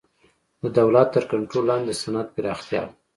د دولت تر کنټرول لاندې د صنعت پراختیا وه